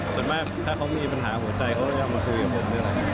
ส่วนมากถ้าเขามีปัญหาหัวใจเขาจะมาคุยกับผมหรืออะไร